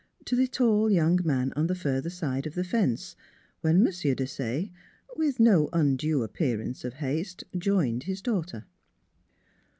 to the tall young man on the further side of the fence, when M. Desaye, with no undue appearance of haste, joined his daughter.